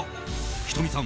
仁美さん